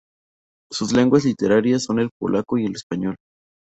Sus lenguas literarias son el polaco y el español.